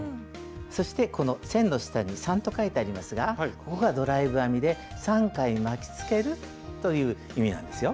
そしてこの線の下に「３」と書いてありますがここがドライブ編みで３回巻きつけるという意味なんですよ。